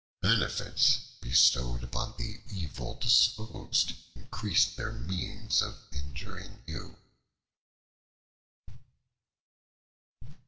Benefits bestowed upon the evil disposed increase their means of injuring you.